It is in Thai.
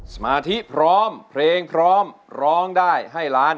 สมาธิพร้อมเพลงพร้อมร้องได้ให้ล้าน